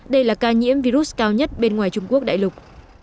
đây là ca nhiễm virus cao nhất bên ngoài trung quốc đại lục